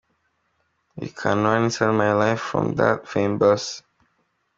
You can run inside my life from that fame bus.